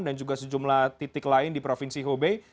dan juga sejumlah titik lain di provinsi hubei